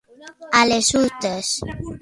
A les hurtes.